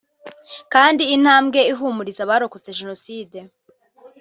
kandi intambwe ihumuriza abarokotse Jenoside